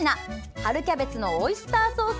春キャベツのオイスターソース